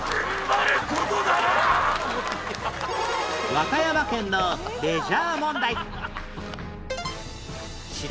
和歌山県のレジャー問題